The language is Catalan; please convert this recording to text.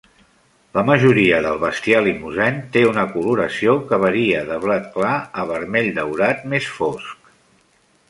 La majoria del bestiar Limousin té una coloració que varia de blat clar a vermell daurat més fosc.